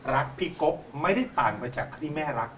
รักพี่กบไม่ได้ต่างมาจากที่แม่รัก